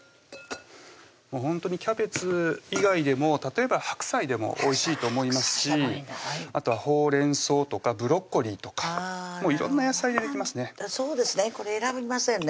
ほんとにキャベツ以外でも例えば白菜でもおいしいと思いますしあとはほうれんそうとかブロッコリーとか色んな野菜でできますねそうですねこれ選びませんね